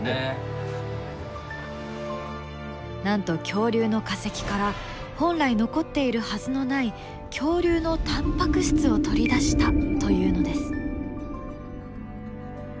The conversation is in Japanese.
なんと恐竜の化石から本来残っているはずのない恐竜のタンパク質を取り出したというのです。